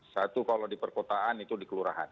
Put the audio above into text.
satu kalau di perkotaan itu di kelurahan